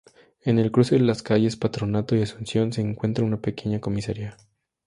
En el cruce de las calles Patronato y Asunción se encuentra una pequeña comisaría.